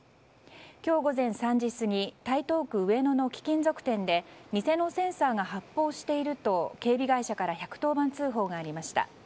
今日午前３時過ぎ台東区上野の貴金属店で店のセンサーが発報していると警備会社から１１０番通報がありました。